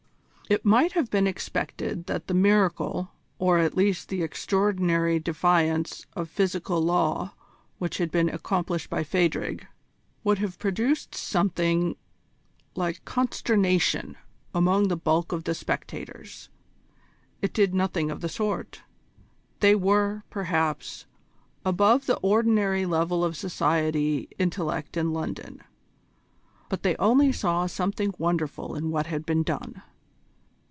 It might have been expected that the miracle, or at least the extraordinary defiance of physical law which had been accomplished by Phadrig, would have produced something like consternation among the bulk of the spectators. It did nothing of the sort. They were, perhaps, above the ordinary level of Society intellect in London; but they only saw something wonderful in what had been done.